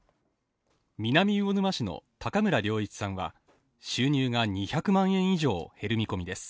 南魚沼市の高村良一さんは収入が２００万円以上減る見込みです。